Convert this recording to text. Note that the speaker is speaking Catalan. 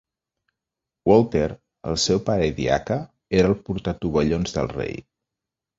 Walter, el seu pare i diaca, era el portatovallons del rei.